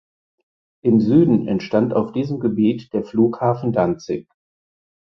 Im Süden entstand auf diesem Gebiet der Flughafen Danzig.